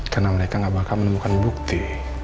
karena mereka gak bakal menemukan bukti